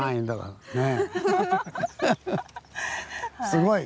すごい！